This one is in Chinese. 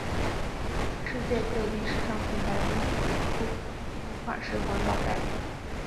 世界各地时尚品牌纷纷推出不同款式环保袋。